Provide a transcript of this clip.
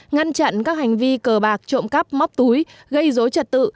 ngăn chặn các hành vi cờ bạc trộm cắp móc túi gây dối trật tự